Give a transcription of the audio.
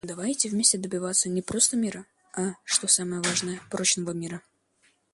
Давайте вместе добиваться не просто мира, а, что самое важное, прочного мира.